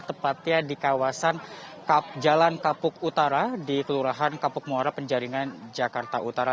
tepatnya di kawasan jalan kapuk utara di kelurahan kapuk muara penjaringan jakarta utara